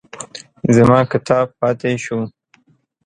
زما کتاب پاتې شو.